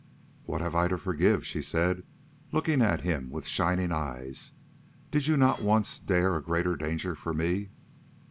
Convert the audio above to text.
"What have I to forgive?" she said, looking at him with shining eyes. "Did you not once dare a greater danger for me?"